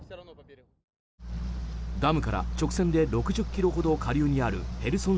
ダムから直線で６０ｋｍほど下流にあるヘルソン